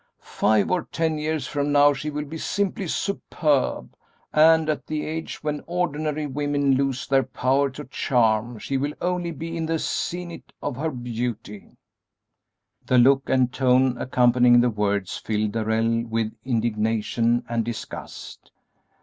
Five or ten years from now she will be simply superb, and at the age when ordinary women lose their power to charm she will only be in the zenith of her beauty." The look and tone accompanying the words filled Darrell with indignation and disgust.